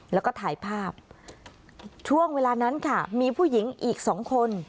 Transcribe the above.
แล้วก็ถ่ายภาพช่วงเวลานั้นค่ะมีผู้หญิงอีกสองคน